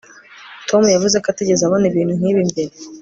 tom yavuze ko atigeze abona ibintu nk'ibi mbere